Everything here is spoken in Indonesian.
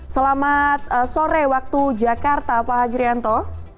selamat sore waktu jakarta pak hajrianto